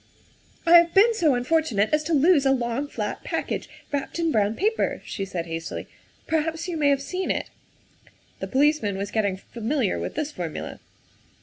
" I have been so unfortunate as to lose a long, flat package wrapped in brown paper," she said hastily; '' perhaps you may have seen it. '' The policeman was getting familiar with this formula.